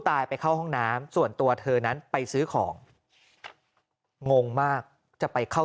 ไปเข้าห้องน้ำส่วนตัวเธอนั้นไปซื้อของงงมากจะไปเข้า